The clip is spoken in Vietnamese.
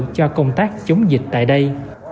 cho công tác chống dịch tại đây